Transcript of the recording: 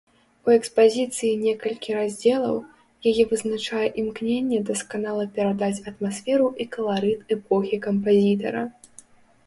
У экспазіцыі некалькі раздзелаў, яе вызначае імкненне дасканала перадаць атмасферу і каларыт эпохі кампазітара.